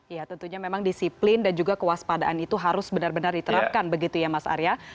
ya tentunya memang disiplin dan juga kewaspadaan itu harus benar benar diterapkan begitu ya mas arya